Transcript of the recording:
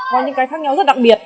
có những cái khác nhau rất đặc biệt